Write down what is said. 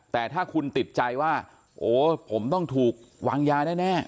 แต่ถ้าคุณติดใจว่าโอ้ผมต้องถูกวางยาแน่